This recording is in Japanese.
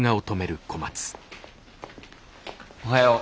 おはよう。